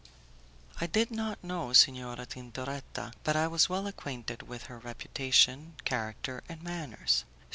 I did not know Signora Tintoretta, but I was well acquainted with her reputation, character and manners.